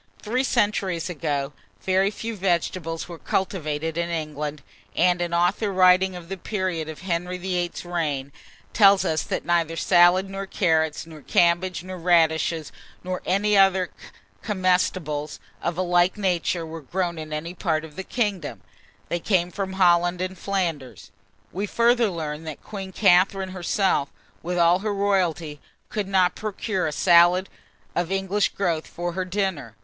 Three centuries ago, very few vegetables were cultivated in England, and an author writing of the period of Henry VIII.'s reign, tells us that neither salad, nor carrots, nor cabbages, nor radishes, nor any other comestibles of a like nature, were grown in any part of the kingdom: they came from Holland and Flanders. We further learn, that Queen Catharine herself, with all her royalty, could not procure a salad of English growth for her dinner.